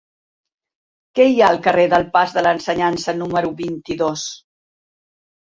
Què hi ha al carrer del Pas de l'Ensenyança número vint-i-dos?